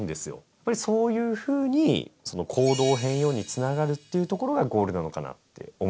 やっぱりそういうふうに行動変容につながるっていうところがゴールなのかなって思います